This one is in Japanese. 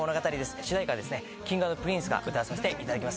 主題歌はＫｉｎｇ＆Ｐｒｉｎｃｅが歌わさせてもらってます。